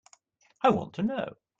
I want to know.